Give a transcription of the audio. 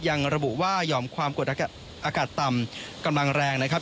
ยังระบุว่าหย่อมความกดอากาศต่ำกำลังแรงนะครับ